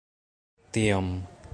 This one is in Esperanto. tiom